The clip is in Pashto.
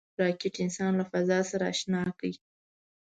راکټ انسان له فضا سره اشنا کړ